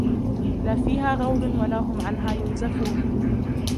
لَا فِيهَا غَوْلٌ وَلَا هُمْ عَنْهَا يُنْزَفُونَ